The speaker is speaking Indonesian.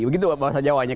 begitu bahasa jawanya